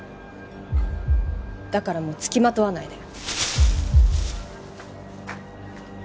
だからもうつきまとわないで。